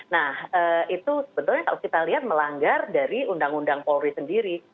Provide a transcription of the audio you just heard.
nah itu sebetulnya kalau kita lihat melanggar dari undang undang polri sendiri